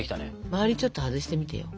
周りちょっと外してみてよ。